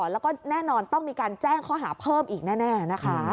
แล้วก็แน่นอนต้องมีการแจ้งข้อหาเพิ่มอีกแน่นะคะ